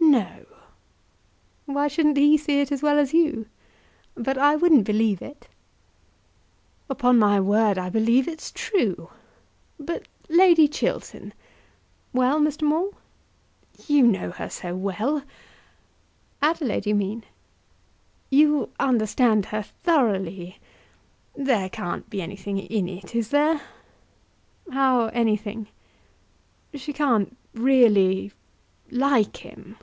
"No!" "Why shouldn't he see it, as well as you? But I wouldn't believe it." "Upon my word I believe it's true. But, Lady Chiltern " "Well, Mr. Maule." "You know her so well." "Adelaide, you mean?" "You understand her thoroughly. There can't be anything in it; is there?" "How anything?" "She can't really like him?"